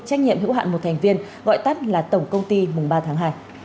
trách nhiệm hữu hạn một thành viên gọi tắt là tổng công ty mùng ba tháng hai